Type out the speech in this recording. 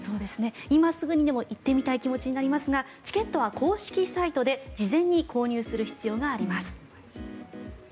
今すぐにでも行ってみたい気持ちになりますがチケットは公式サイトで事前に購入する必要があります。